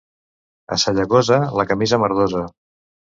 A Sallagosa, la camisa merdosa.